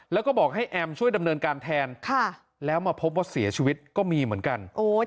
แล้วก็บอกให้แอมช่วยดำเนินการแทนแล้วมาพบว่าเสียชีวิตก็มีเหมือนกัน